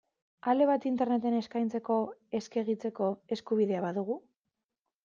Ale bat Interneten eskaintzeko, eskegitzeko, eskubidea badugu?